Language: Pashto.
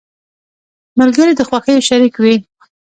ملګري د خوښیو شريک وي.